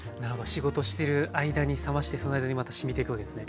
仕事してる間に冷ましてその間にまたしみていくわけですね。